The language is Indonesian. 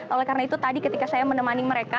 oleh karena itu tadi ketika saya menemani mereka